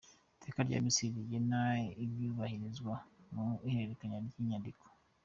Iteka rya Minisitiri rigena ibyubahirizwa mu ihererekanya ry‟inyandiko